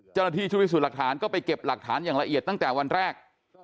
เจ้าหน้าที่ชุดพิสูจน์หลักฐานก็ไปเก็บหลักฐานอย่างละเอียดตั้งแต่วันแรก